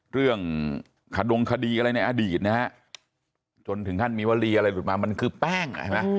เรื่องขดงคดีอะไรในอดีตจนถึงขั้นมีวลีอะไรหลุดมามันคือแป้ง